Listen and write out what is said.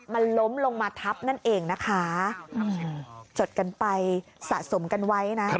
มันล้มลงมาทับนั่นเองนะคะจดกันไปสะสมกันไว้นะ